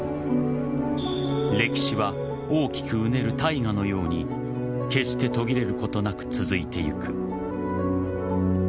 歴史は大きくうねる大河のように決して途切れることなく続いてゆく。